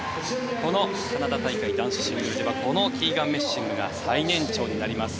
このカナダ大会男子シングルではこのキーガン・メッシングが最年長になります。